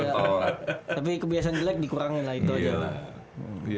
tapi kebiasaan jelek dikurangin lah itu aja lah